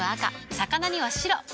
魚には白。